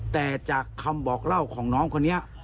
แต่จากคำบอกเล่าของน้องคนนี้